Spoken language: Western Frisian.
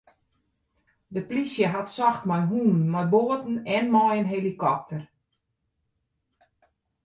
De plysje hat socht mei hûnen, mei boaten en mei in helikopter.